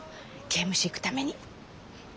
刑務所行くために。